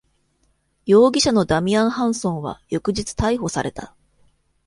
容疑者のダミアンハンソンは翌日逮捕された。